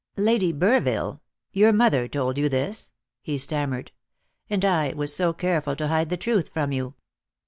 "Lady Burville your mother told you this!" he stammered; "and I was so careful to hide the truth from you!"